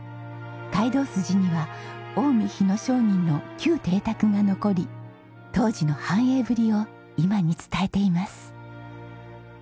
街道筋には近江日野商人の旧邸宅が残り当時の繁栄ぶりを今に伝えています。